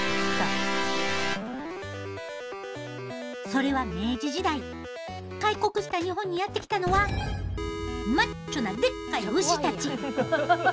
それは明治時代開国した日本にやって来たのはマッチョなでっかい牛たち。